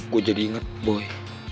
gue jadi inget boy